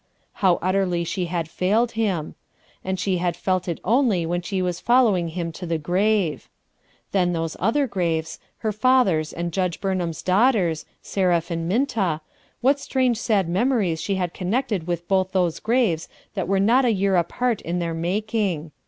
how utterly she had failed him I And she had felt it only when she was following him to the grave. Then those other graves, her father's and Judge Burnham's daughters 1 , Seraph and Minta, what strange sad memories she had connected with both those graves that were not a year apart in their making.